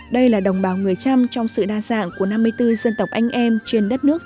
đây là đồng bào người trăm trong sự đa dạng của năm mươi bốn dân tộc anh em trên đất nước